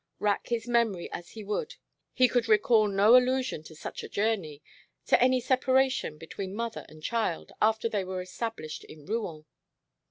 Rack his memory as he would he could recall no allusion to such a journey, to any separation between mother and child after they were established in Rouen.